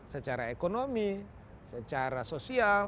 secara ekonomi secara sosial